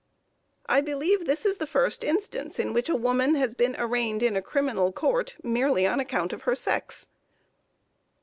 I believe this is the first instance in which a woman has been arraigned in a criminal court, merely on account of her sex.